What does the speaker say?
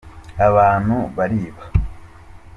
abantu bariba.